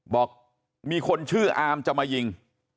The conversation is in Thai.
บอกมีคนชื่ออามจะมายิง